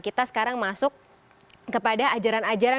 kita sekarang masuk kepada ajaran ajaran